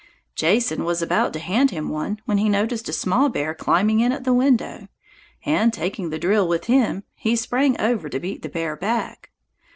Jason was about to hand him one when he noticed a small bear climbing in at the window, and, taking the drill with him, he sprang over to beat the bear back.